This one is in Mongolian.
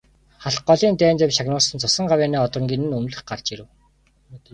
Халх голын дайнд явж шагнуулсан цусан гавьяаны одонгийн нь үнэмлэх гарч ирэв.